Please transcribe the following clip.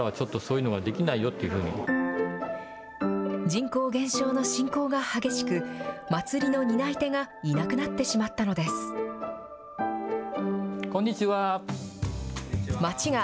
人口減少の進行が激しく、祭りの担い手がいなくなってしまっこんにちは。